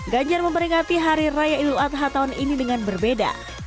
ganjar memperingati hari raya ilu at hatawan ini dengan berbeda